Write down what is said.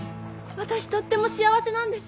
私とっても幸せなんです。